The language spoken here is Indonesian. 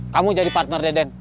kamu jadi partner deden